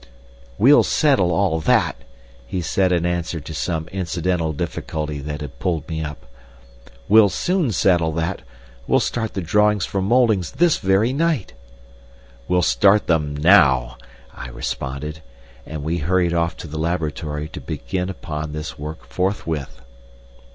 "We'll settle all that!" he said in answer to some incidental difficulty that had pulled me up. "We'll soon settle that! We'll start the drawings for mouldings this very night." "We'll start them now," I responded, and we hurried off to the laboratory to begin upon this work forthwith.